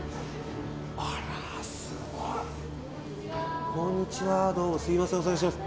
あら、すごい。